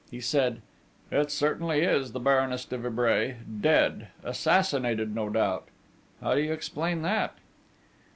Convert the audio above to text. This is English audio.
He said: 'It certainly is the Baroness de Vibray, dead assassinated, no doubt. How do you explain that?'